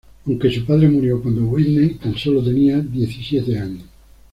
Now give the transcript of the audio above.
Aunque su padre murió cuando Whitney tan solo tenía diecisiete años.